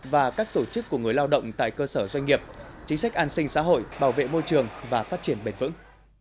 và các tổ chức của người lao động tại cơ sở doanh nghiệp chính sách an sinh xã hội bảo vệ môi trường và phát triển bền vững